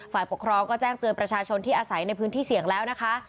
ฝ่ายปกครองก็แจ้งเตือนประชาชนที่อาศัยในพื้นที่เสี่ยงแล้วนะคะ